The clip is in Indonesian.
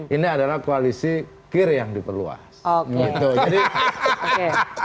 ini adalah koalisi kir yang diperluas